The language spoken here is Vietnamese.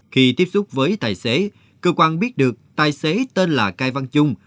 khi tiếp xúc với tài xế cơ quan biết được tài xế tên là cay văn trung